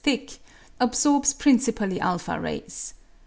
thick) absorbs principally a rays.